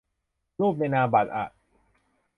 รูปในนามบัตรอ่ะ